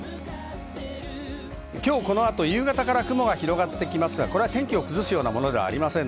この後、夕方から雲が広がってきますが、天気を崩すようなものではありません。